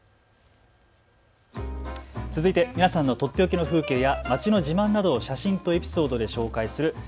続いて皆さんの取って置きの風景や街の自慢などを写真とエピソードで紹介する＃